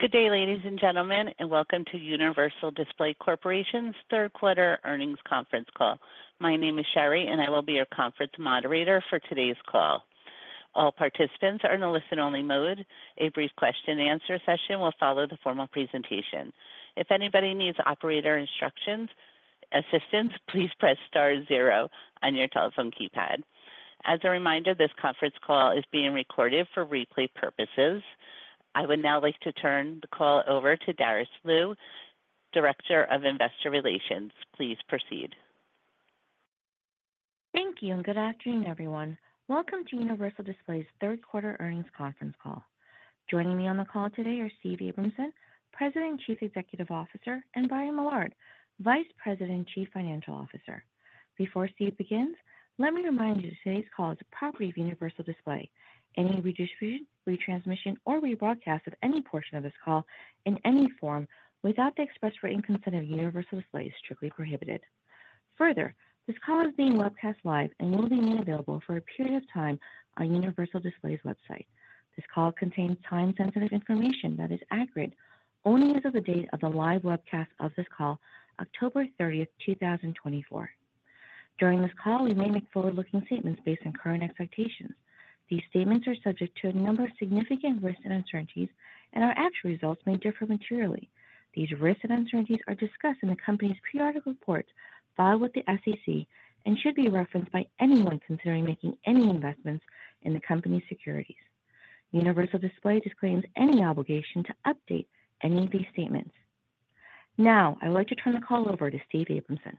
Good day, ladies and gentlemen, and welcome to Universal Display Corporation's third-quarter earnings conference call. My name is Sherry, and I will be your conference moderator for today's call. All participants are in a listen-only mode. A brief question-and-answer session will follow the formal presentation. If anybody needs operator instructions, assistance, please press star zero on your telephone keypad. As a reminder, this conference call is being recorded for replay purposes. I would now like to turn the call over to Darice Liu, Director of Investor Relations. Please proceed. Thank you, and good afternoon, everyone. Welcome to Universal Display's third-quarter earnings conference call. Joining me on the call today are Steve Abramson, President and Chief Executive Officer, and Brian Millard, Vice President and Chief Financial Officer. Before Steve begins, let me remind you that today's call is a property of Universal Display. Any redistribution, retransmission, or rebroadcast of any portion of this call in any form without the express written consent of Universal Display is strictly prohibited. Further, this call is being webcast live and will remain available for a period of time on Universal Display's website. This call contains time-sensitive information that is accurate only as of the date of the live webcast of this call, October 30th, 2024. During this call, we may make forward-looking statements based on current expectations. These statements are subject to a number of significant risks and uncertainties, and our actual results may differ materially. These risks and uncertainties are discussed in the company's pre-audit reports filed with the SEC and should be referenced by anyone considering making any investments in the company's securities. Universal Display disclaims any obligation to update any of these statements. Now, I would like to turn the call over to Steve Abramson.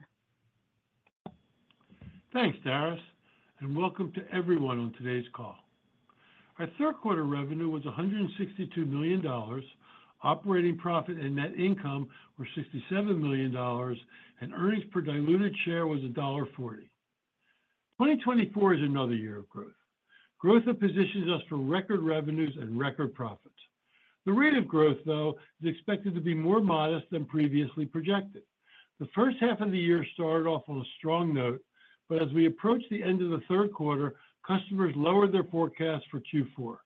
Thanks, Darice, and welcome to everyone on today's call. Our third-quarter revenue was $162 million. Operating profit and net income were $67 million, and earnings per diluted share was $1.40. 2024 is another year of growth. Growth has positioned us for record revenues and record profits. The rate of growth, though, is expected to be more modest than previously projected. The first half of the year started off on a strong note, but as we approached the end of the third quarter, customers lowered their forecasts for Q4.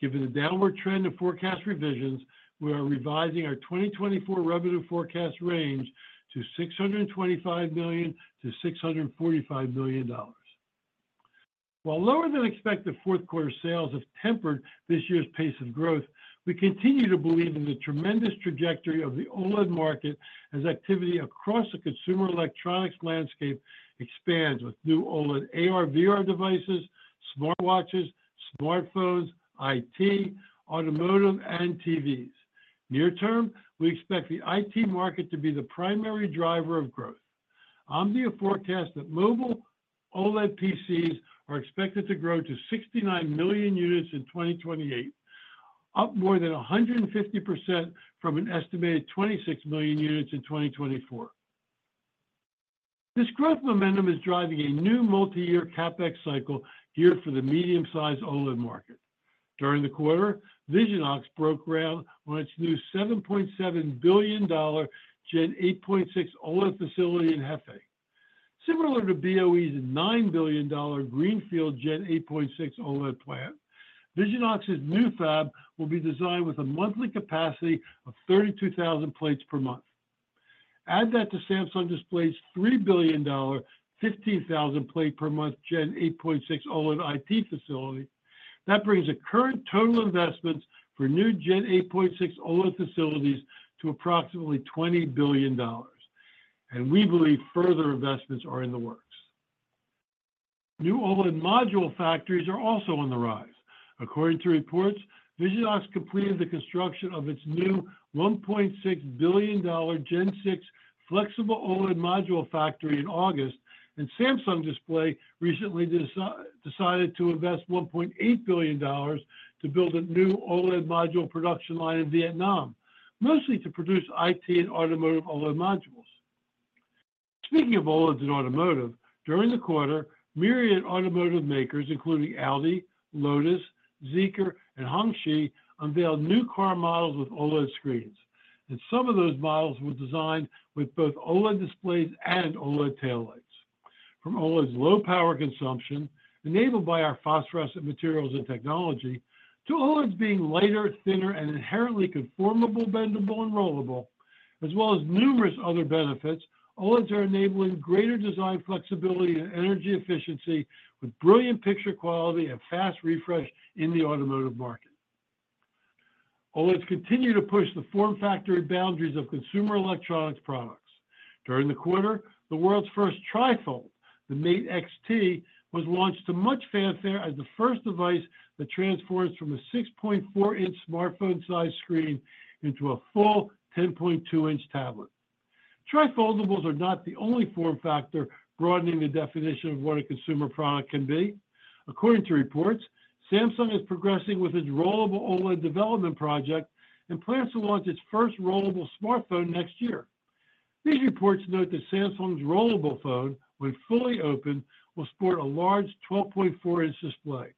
Given the downward trend in forecast revisions, we are revising our 2024 revenue forecast range to $625 million-$645 million. While lower-than-expected fourth-quarter sales have tempered this year's pace of growth, we continue to believe in the tremendous trajectory of the OLED market as activity across the consumer electronics landscape expands with new OLED AR/VR devices, smartwatches, smartphones, IT, automotive, and TVs. Near-term, we expect the IT market to be the primary driver of growth. Omdia forecasts that mobile OLED PCs are expected to grow to 69 million units in 2028, up more than 150% from an estimated 26 million units in 2024. This growth momentum is driving a new multi-year CapEx cycle here for the medium-sized OLED market. During the quarter, Visionox broke ground on its new $7.7 billion Gen 8.6 OLED facility in Hefei. Similar to BOE's $9 billion Greenfield Gen 8.6 OLED plant, Visionox's new fab will be designed with a monthly capacity of 32,000 plates per month. Add that to Samsung Display's $3 billion 15,000-plate-per-month Gen 8.6 OLED IT facility. That brings the current total investments for new Gen 8.6 OLED facilities to approximately $20 billion, and we believe further investments are in the works. New OLED module factories are also on the rise. According to reports, Visionox completed the construction of its new $1.6 billion Gen 6 flexible OLED module factory in August, and Samsung Display recently decided to invest $1.8 billion to build a new OLED module production line in Vietnam, mostly to produce IT and automotive OLED modules. Speaking of OLEDs and automotive, during the quarter, myriad automotive makers, including Audi, Lotus, Zeekr, and Hongqi, unveiled new car models with OLED screens, and some of those models were designed with both OLED displays and OLED taillights. From OLEDs' low power consumption, enabled by our phosphorescent materials and technology, to OLEDs being lighter, thinner, and inherently conformable, bendable, and rollable, as well as numerous other benefits, OLEDs are enabling greater design flexibility and energy efficiency with brilliant picture quality and fast refresh in the automotive market. OLEDs continue to push the form factor boundaries of consumer electronics products. During the quarter, the world's first trifold, the Mate XT, was launched to much fanfare as the first device that transforms from a 6.4-inch smartphone-sized screen into a full 10.2-inch tablet. Trifoldables are not the only form factor broadening the definition of what a consumer product can be. According to reports, Samsung is progressing with its rollable OLED development project and plans to launch its first rollable smartphone next year. These reports note that Samsung's rollable phone, when fully opened, will sport a large 12.4-inch display.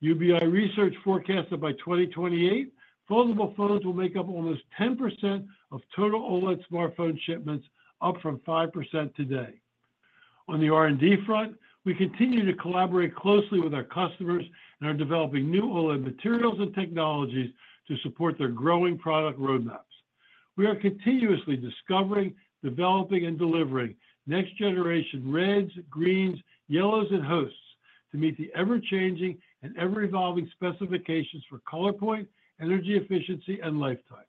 UBI Research forecasts that by 2028, foldable phones will make up almost 10% of total OLED smartphone shipments, up from 5% today. On the R&D front, we continue to collaborate closely with our customers and are developing new OLED materials and technologies to support their growing product roadmaps. We are continuously discovering, developing, and delivering next-generation reds, greens, yellows, and hosts to meet the ever-changing and ever-evolving specifications for color point, energy efficiency, and lifetime.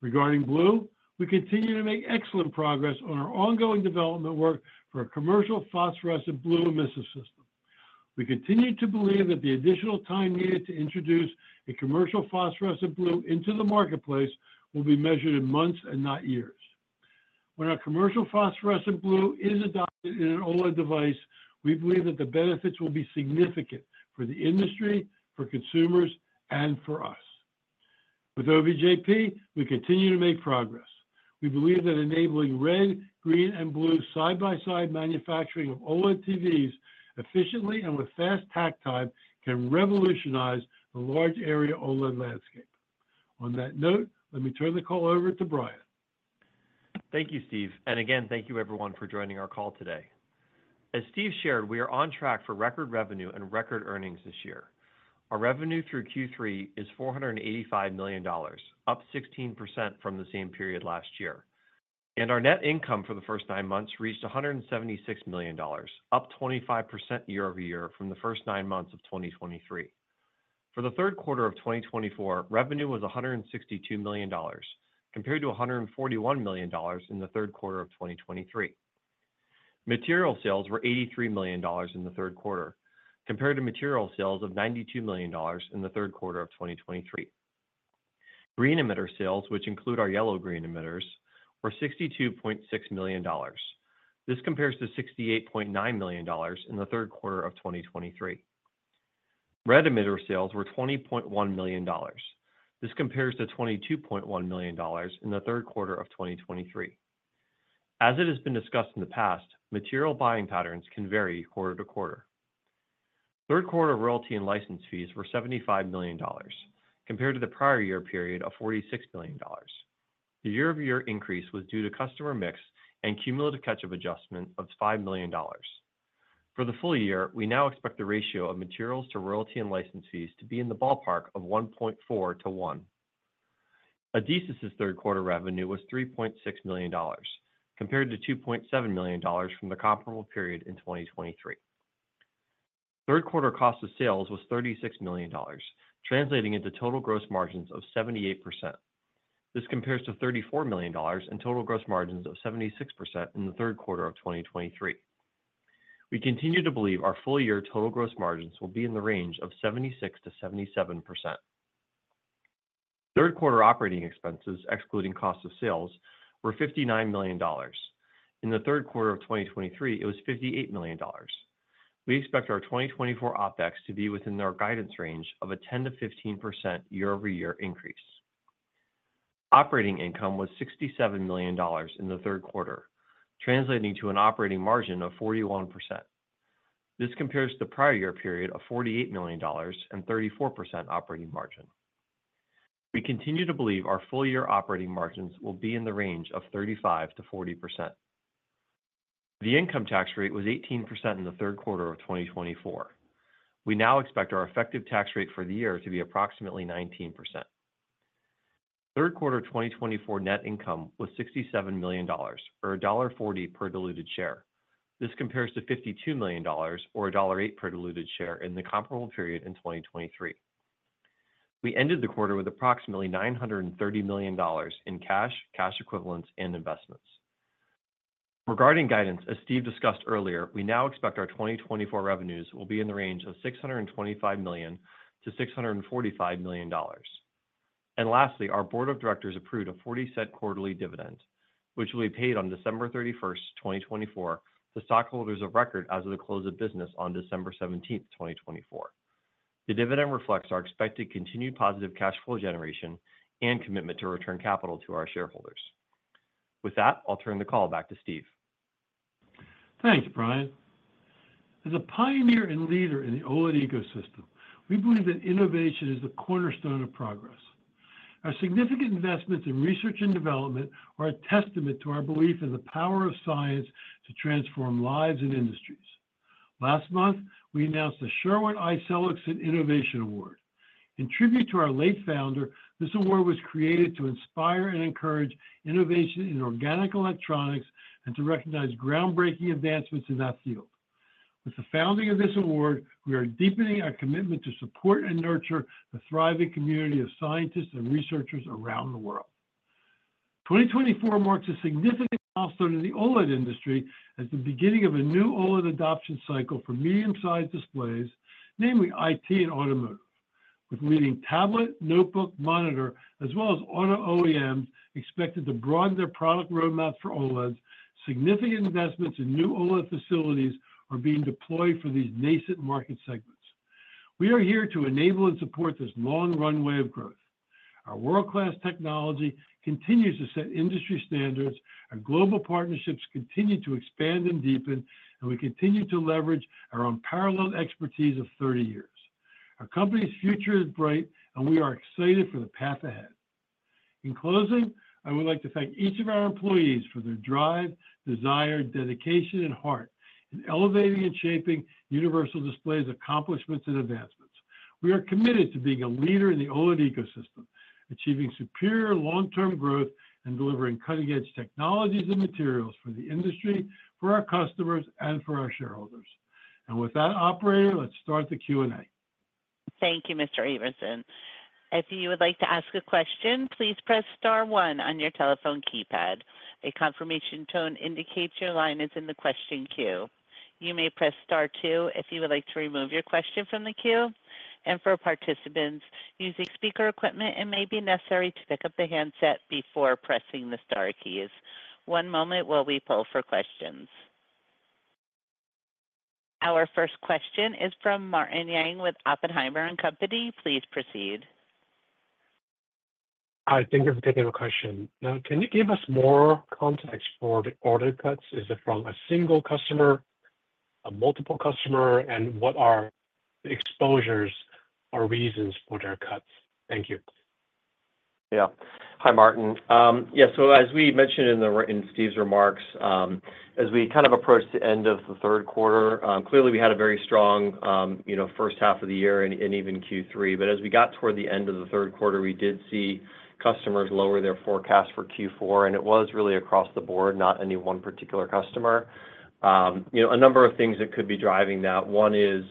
Regarding blue, we continue to make excellent progress on our ongoing development work for a commercial phosphorescent blue emissive system. We continue to believe that the additional time needed to introduce a commercial phosphorescent blue into the marketplace will be measured in months and not years. When our commercial phosphorescent blue is adopted in an OLED device, we believe that the benefits will be significant for the industry, for consumers, and for us. With OVJP we continue to make progress. We believe that enabling red, green, and blue side-by-side manufacturing of OLED TVs efficiently and with fast tack time can revolutionize the large area OLED landscape. On that note, let me turn the call over to Brian. Thank you, Steve, and again, thank you, everyone, for joining our call today. As Steve shared, we are on track for record revenue and record earnings this year. Our revenue through Q3 is $485 million, up 16% from the same period last year, and our net income for the first nine months reached $176 million, up 25% year-over-year from the first nine months of 2023. For the third quarter of 2024, revenue was $162 million, compared to $141 million in the third quarter of 2023. Material sales were $83 million in the third quarter, compared to material sales of $92 million in the third quarter of 2023. Green emitter sales, which include our yellow-green emitters, were $62.6 million. This compares to $68.9 million in the third quarter of 2023. Red emitter sales were $20.1 million. This compares to $22.1 million in the third quarter of 2023. As it has been discussed in the past, material buying patterns can vary quarter to quarter. Third-quarter royalty and license fees were $75 million, compared to the prior year period of $46 million. The year-over-year increase was due to customer mix and cumulative catch-up adjustment of $5 million. For the full year, we now expect the ratio of materials to royalty and license fees to be in the ballpark of 1.4 to 1. Adesis's third-quarter revenue was $3.6 million, compared to $2.7 million from the comparable period in 2023. Third-quarter cost of sales was $36 million, translating into total gross margins of 78%. This compares to $34 million and total gross margins of 76% in the third quarter of 2023. We continue to believe our full-year total gross margins will be in the range of 76%-77%. Third-quarter operating expenses, excluding cost of sales, were $59 million. In the third quarter of 2023, it was $58 million. We expect our 2024 OPEX to be within our guidance range of a 10%-15% year-over-year increase. Operating income was $67 million in the third quarter, translating to an operating margin of 41%. This compares to the prior year period of $48 million and 34% operating margin. We continue to believe our full-year operating margins will be in the range of 35%-40%. The income tax rate was 18% in the third quarter of 2024. We now expect our effective tax rate for the year to be approximately 19%. Third-quarter 2024 net income was $67 million, or $1.40 per diluted share. This compares to $52 million, or $1.08 per diluted share in the comparable period in 2023. We ended the quarter with approximately $930 million in cash, cash equivalents, and investments. Regarding guidance, as Steve discussed earlier, we now expect our 2024 revenues will be in the range of $625 million-$645 million. Lastly, our board of directors approved a $0.40 quarterly dividend, which will be paid on December 31st, 2024, to stockholders of record as of the close of business on December 17th, 2024. The dividend reflects our expected continued positive cash flow generation and commitment to return capital to our shareholders. With that, I'll turn the call back to Steve. Thanks, Brian. As a pioneer and leader in the OLED ecosystem, we believe that innovation is the cornerstone of progress. Our significant investments in research and development are a testament to our belief in the power of science to transform lives and industries. Last month, we announced the Sherwin I. Seligson Innovation Award. In tribute to our late founder, this award was created to inspire and encourage innovation in organic electronics and to recognize groundbreaking advancements in that field. With the founding of this award, we are deepening our commitment to support and nurture the thriving community of scientists and researchers around the world. 2024 marks a significant milestone in the OLED industry as the beginning of a new OLED adoption cycle for medium-sized displays, namely IT and automotive. With leading tablet, notebook, monitor, as well as auto OEMs expected to broaden their product roadmap for OLEDs, significant investments in new OLED facilities are being deployed for these nascent market segments. We are here to enable and support this long runway of growth. Our world-class technology continues to set industry standards. Our global partnerships continue to expand and deepen, and we continue to leverage our unparalleled expertise of 30 years. Our company's future is bright, and we are excited for the path ahead. In closing, I would like to thank each of our employees for their drive, desire, dedication, and heart in elevating and shaping Universal Display's accomplishments and advancements. We are committed to being a leader in the OLED ecosystem, achieving superior long-term growth and delivering cutting-edge technologies and materials for the industry, for our customers, and for our shareholders. And with that, operator, let's start the Q&A. Thank you, Mr. Abramson. If you would like to ask a question, please press Star 1 on your telephone keypad. A confirmation tone indicates your line is in the question queue. You may press Star 2 if you would like to remove your question from the queue. And for participants using speaker equipment, it may be necessary to pick up the handset before pressing the Star keys. One moment while we poll for questions. Our first question is from Martin Yang with Oppenheimer & Company. Please proceed. Hi, thank you for taking the question. Now, can you give us more context for the order cuts? Is it from a single customer, a multiple customer, and what are the exposures or reasons for their cuts? Thank you. Yeah. Hi, Martin. Yeah, so as we mentioned in Steve's remarks, as we kind of approached the end of the third quarter, clearly we had a very strong first half of the year and even Q3. But as we got toward the end of the third quarter, we did see customers lower their forecast for Q4, and it was really across the board, not any one particular customer. A number of things that could be driving that. One is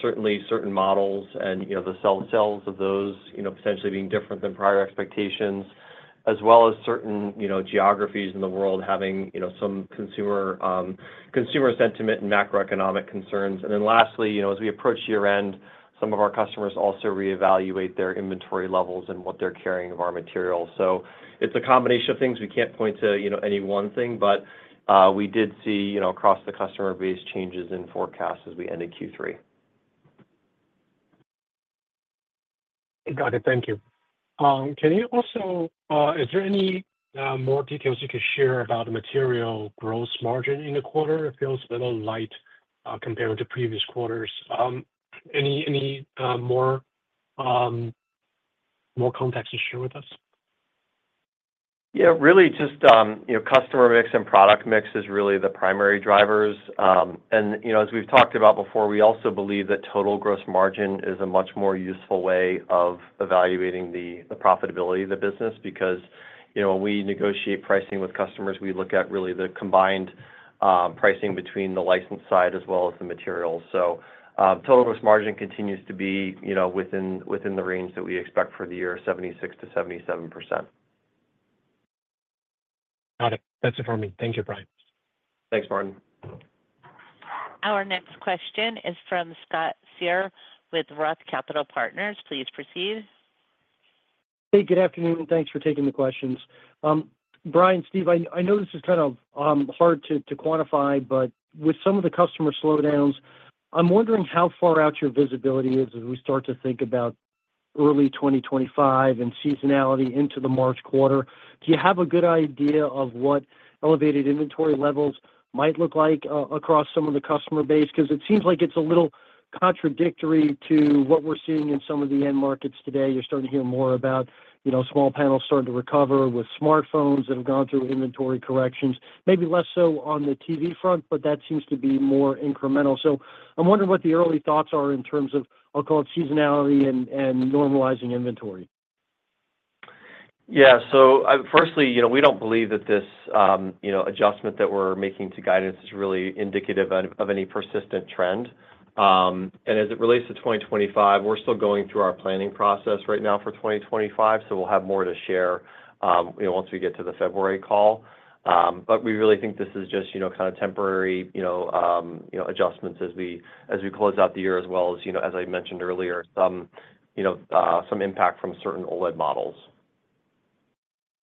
certainly certain models and the sales of those potentially being different than prior expectations, as well as certain geographies in the world having some consumer sentiment and macroeconomic concerns. And then lastly, as we approach year-end, some of our customers also reevaluate their inventory levels and what they're carrying of our materials. So it's a combination of things. We can't point to any one thing, but we did see across the customer base changes in forecasts as we ended Q3. Got it. Thank you. Can you also, is there any more details you could share about the material gross margin in the quarter? It feels a little light compared to previous quarters. Any more context to share with us? Yeah, really just customer mix and product mix is really the primary drivers. And as we've talked about before, we also believe that total gross margin is a much more useful way of evaluating the profitability of the business because when we negotiate pricing with customers, we look at really the combined pricing between the license side as well as the materials. So total gross margin continues to be within the range that we expect for the year, 76%-77%. Got it. That's it for me. Thank you, Brian. Thanks, Martin. Our next question is from Scott Searle with Roth Capital Partners. Please proceed. Hey, good afternoon, and thanks for taking the questions. Brian, Steve, I know this is kind of hard to quantify, but with some of the customer slowdowns, I'm wondering how far out your visibility is as we start to think about early 2025 and seasonality into the March quarter. Do you have a good idea of what elevated inventory levels might look like across some of the customer base? Because it seems like it's a little contradictory to what we're seeing in some of the end markets today. You're starting to hear more about small panels starting to recover with smartphones that have gone through inventory corrections, maybe less so on the TV front, but that seems to be more incremental. So I'm wondering what the early thoughts are in terms of, I'll call it, seasonality and normalizing inventory. Yeah, so firstly, we don't believe that this adjustment that we're making to guidance is really indicative of any persistent trend. And as it relates to 2025, we're still going through our planning process right now for 2025, so we'll have more to share once we get to the February call. But we really think this is just kind of temporary adjustments as we close out the year, as well as, as I mentioned earlier, some impact from certain OLED models.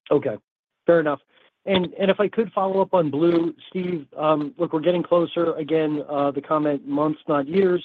Okay. Fair enough. And if I could follow up on blue, Steve. Look, we're getting closer again, the comment, months, not years.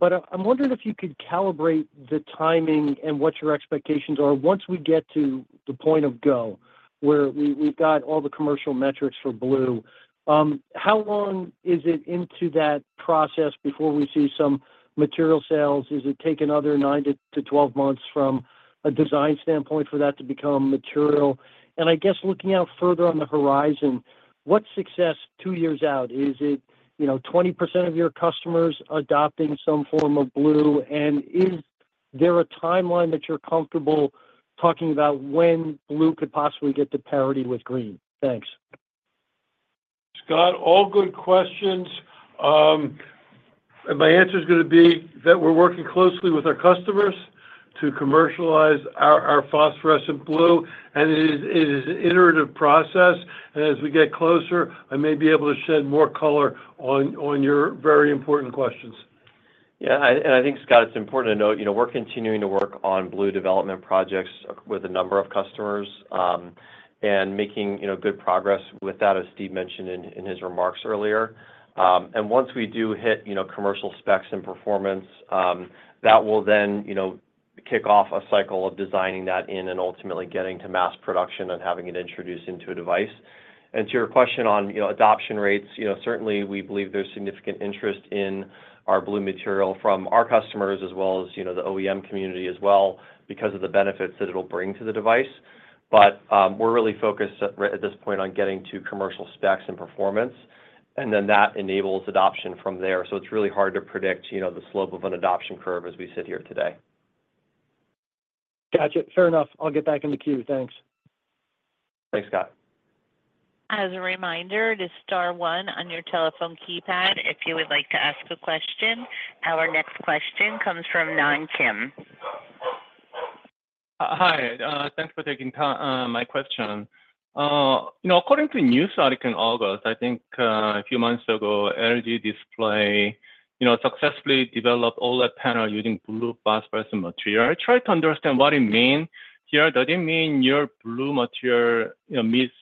But I'm wondering if you could calibrate the timing and what your expectations are once we get to the point of go, where we've got all the commercial metrics for blue. How long is it into that process before we see some material sales? Does it take another 9-12 months from a design standpoint for that to become material? And I guess looking out further on the horizon, what success two years out? Is it 20% of your customers adopting some form of blue? And is there a timeline that you're comfortable talking about when blue could possibly get to parity with green? Thanks. Scott, all good questions. My answer is going to be that we're working closely with our customers to commercialize our phosphorescent blue, and it is an iterative process. And as we get closer, I may be able to shed more color on your very important questions. Yeah. And I think, Scott, it's important to note we're continuing to work on blue development projects with a number of customers and making good progress with that, as Steve mentioned in his remarks earlier. And once we do hit commercial specs and performance, that will then kick off a cycle of designing that in and ultimately getting to mass production and having it introduced into a device. And to your question on adoption rates, certainly we believe there's significant interest in our blue material from our customers as well as the OEM community as well because of the benefits that it'll bring to the device. But we're really focused at this point on getting to commercial specs and performance, and then that enables adoption from there. So it's really hard to predict the slope of an adoption curve as we sit here today. Gotcha. Fair enough. I'll get back in the queue. Thanks. Thanks, Scott. As a reminder, this is Star 1 on your telephone keypad if you would like to ask a question. Our next question comes from Nam Kim. Hi. Thanks for taking my question. According to news article in August, I think a few months ago, LG Display successfully developed OLED panel using blue phosphorescent material. I tried to understand what it means here. Does it mean your blue material meets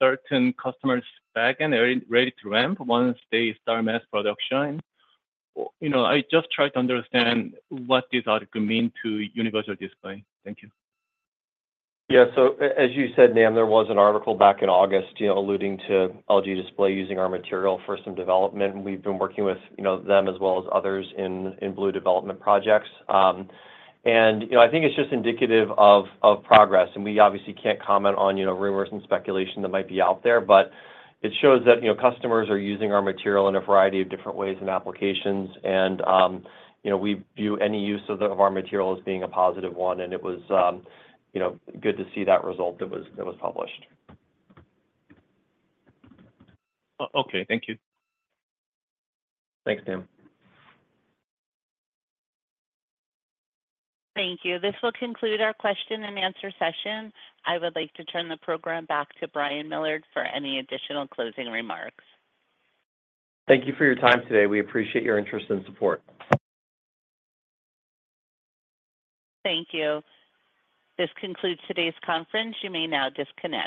certain customer spec and are ready to ramp once they start mass production? I just tried to understand what this article means to Universal Display. Thank you. Yeah. So as you said, Nam, there was an article back in August alluding to LG Display using our material for some development. We've been working with them as well as others in blue development projects. And I think it's just indicative of progress. And we obviously can't comment on rumors and speculation that might be out there, but it shows that customers are using our material in a variety of different ways and applications. And we view any use of our material as being a positive one. And it was good to see that result that was published. Okay. Thank you. Thanks, Nam. Thank you. This will conclude our question-and-answer session. I would like to turn the program back to Brian Millard for any additional closing remarks. Thank you for your time today. We appreciate your interest and support. Thank you. This concludes today's conference. You may now disconnect.